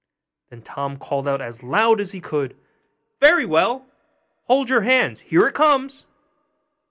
Then Tom called out as loud as he could, 'Very well! hold your hands! here it comes.